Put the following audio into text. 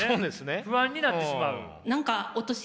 不安になってしまう？